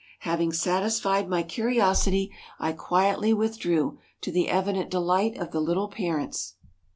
Having satisfied my curiosity I quietly withdrew, to the evident delight of the little parents.